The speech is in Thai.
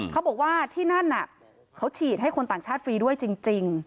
เขาบอกว่าที่นั่นเขาฉีดให้คนต่างชาติฟรีด้วยจริง